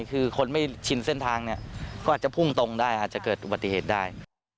คือคนไม่ชินเส้นทางเนี่ยก็อาจจะพุ่งตรงได้อาจจะเกิดอุบัติเหตุได้